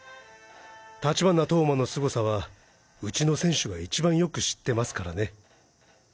立花投馬の凄さはうちの選手が一番よく知ってますからね。